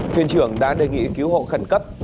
thuyền trưởng đã đề nghị cứu hộ khẩn cấp